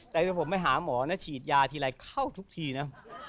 แต่ถ้าผมไปหาหมอนะฉีดยาทีไรเข้าทุกทีนะ